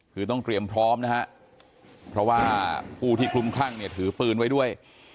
คือต้องเตรียมพร้อมนะฮะเพราะว่าผู้ที่คลุมคลั่งเนี่ยถือปืนไว้ด้วย